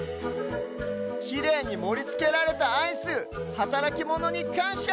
きれいにもりつけられたアイスはたらきモノにかんしゃ！